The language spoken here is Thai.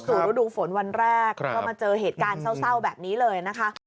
ฤดูฝนวันแรกก็มาเจอเหตุการณ์เศร้าแบบนี้เลยนะคะ